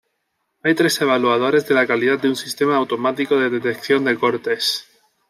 Hay tres evaluadores de la calidad de un sistema automático de detección de cortes.